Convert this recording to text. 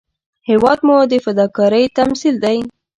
هېواد مو د فداکارۍ تمثیل دی